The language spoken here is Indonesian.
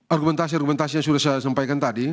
argumentasi argumentasi yang sudah saya sampaikan tadi